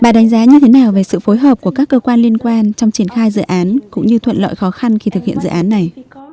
bà đánh giá như thế nào về sự phối hợp của các cơ quan liên quan trong triển khai dự án cũng như thuận lợi khó khăn khi thực hiện dự án này